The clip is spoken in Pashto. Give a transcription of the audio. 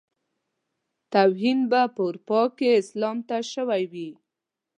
توهين به په اروپا کې اسلام ته شوی وي.